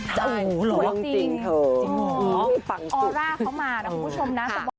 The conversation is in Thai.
ใช่สวยจริงเธอสวยจริงจริงเหรอฟังสุดโอร่าเข้ามาน้องคุณผู้ชมนะ